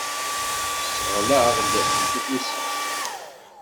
Tesɣel-aɣ-d s ufus-is.